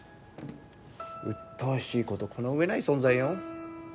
うっとうしいことこの上ない存在よ。